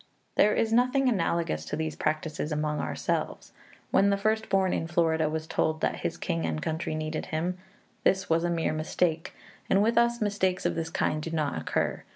There is nothing analogous to these practices among ourselves. When the first born in Florida was told that his king and country needed him, this was a mere mistake, and with us mistakes of this kind do not occur.